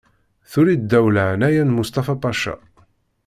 Tuli-d ddaw leɛnaya n Mustafa Paca.